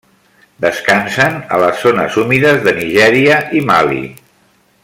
Descansen a les zones humides de Nigèria i Mali.